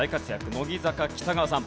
乃木坂北川さん。